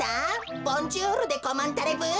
ボンジュールでコマンタレブー。